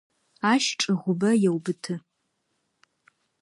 Ащ чӏыгубэ еубыты.